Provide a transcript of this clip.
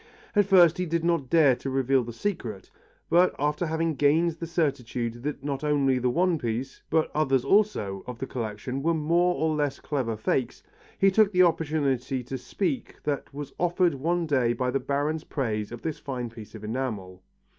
At first he did not dare to reveal the secret, but after having gained the certitude that not only the one piece, but others also, of the collection were more or less clever fakes, he took the opportunity to speak that was offered one day by the Baron's praise of this fine piece of enamel.